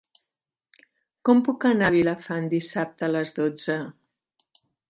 Com puc anar a Vilafant dissabte a les dotze?